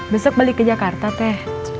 besok balik ke jakarta teh